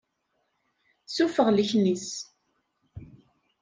Sufeɣ leknis.